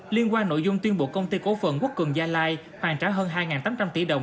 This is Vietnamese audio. liên quan nội dung tuyên bộ công ty cố phận quốc cường gia lai hoàn trả hơn hai tám trăm linh tỷ đồng